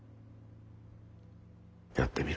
やってみろ。